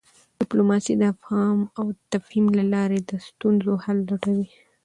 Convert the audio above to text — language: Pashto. ډیپلوماسي د افهام او تفهیم له لاري د ستونزو حل لټوي.